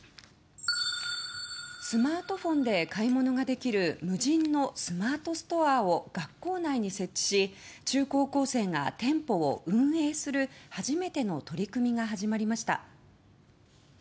スマートフォンで買い物ができる無人のスマートストアを学校内に設置し中高校生が店舗を運営する初めての取り組みが始まりました。